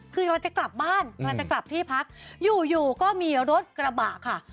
คือกำลังจะกลับบ้านกำลังจะกลับที่พักอยู่อยู่ก็มีรถกระบะค่ะ